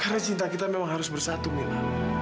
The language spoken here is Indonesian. karena cinta kita memang harus bersatu mila